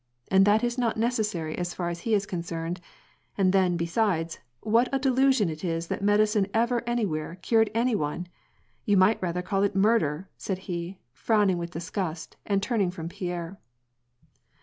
And that is not necessary as far as he is concerned ; and then, besides, wlvit a delusion it is that medicine ever any where cured any one ! You might rather call it murder !" said he, frowning with disgust and turning from Pierre.